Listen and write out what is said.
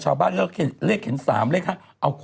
ไหนนะพญานาค